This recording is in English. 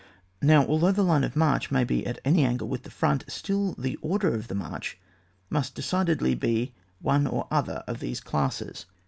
Now, although the line of march may he at any angle with the front, still the order of the march must de cidedly be of one or other of these classes.